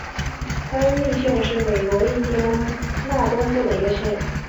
亨利县是美国印地安纳州东部的一个县。